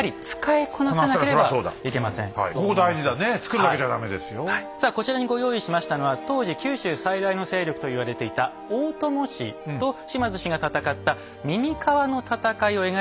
さあこちらにご用意しましたのは当時九州最大の勢力と言われていた大友氏と島津氏が戦った「耳川の戦い」を描いた屏風絵です。